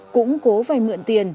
cũng cố phải mượn tiền